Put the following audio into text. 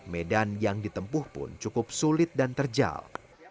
medan yang ditempuh pun cukup sulit dan terjal